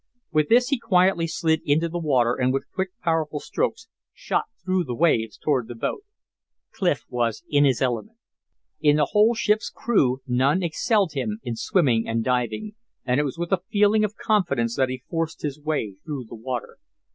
With this he quietly slid into the water and with quick, powerful strokes shot through the waves toward the boat. Clif was in his element. In the whole ship's crew none excelled him in swimming and diving, and it was with a feeling of confidence that he forced his way through the water.